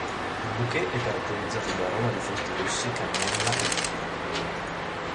Il bouquet è caratterizzato da aroma di frutti rossi, cannella e terra.